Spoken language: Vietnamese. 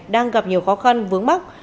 đang gặp nhiều khó khăn vướng bắc